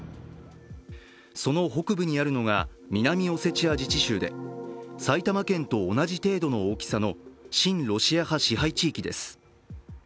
その北部にあるのが南オセチア自治州で埼玉県と同じ程度の大きさの親ロシア派支配地域です。